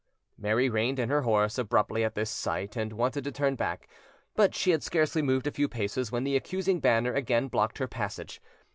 Mary reined in her horse abruptly at this sight, and wanted to turn back; but she had scarcely moved a few paces when the accusing banner again blocked her passage.